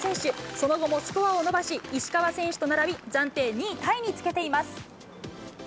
その後もスコアを伸ばし、石川選手と並び、暫定２位タイにつけています。